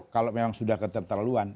kalau memang sudah keterlaluan